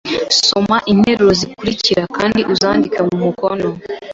Soma interuro zikurikira kandi uzandike mu mukono